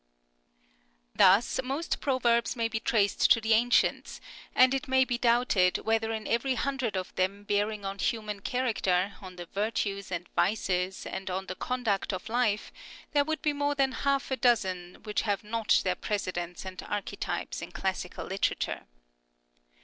Thus most proverbs may be traced to the ancients, and it may be doubted whether in every hundred of them bearing on human character, on the virtues and vices, and on the conduct of life, there would be more than half a dozen which have not their precedents and archetypes in classical literature.